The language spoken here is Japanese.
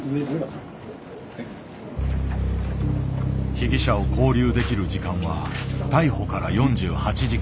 被疑者を勾留できる時間は逮捕から４８時間。